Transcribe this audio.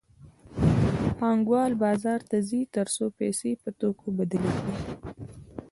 پانګوال بازار ته ځي تر څو پیسې په توکو بدلې کړي